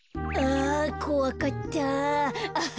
あこわかった。